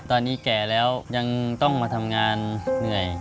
ตอนนี้แก่แล้วยังต้องมาทำงานเหนื่อย